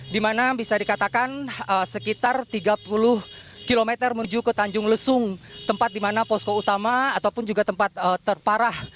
di mana bisa dikatakan sekitar tiga puluh km menuju ke tanjung lesung tempat di mana posko utama ataupun juga tempat terparah